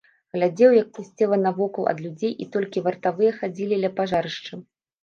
Глядзеў, як пусцела навокал ад людзей, і толькі вартавыя хадзілі ля пажарышча.